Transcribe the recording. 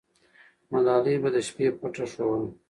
ملالۍ به د شپې پته ښووله.